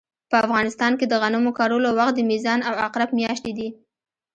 په افغانستان کې د غنمو کرلو وخت د میزان او عقرب مياشتې دي